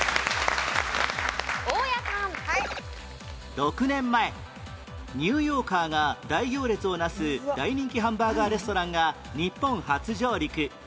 ６年前ニューヨーカーが大行列を成す大人気ハンバーガーレストランが日本初上陸